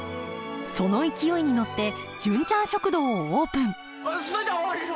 その勢いに乗って「純ちゃん食堂」をオープンそいじゃわしも！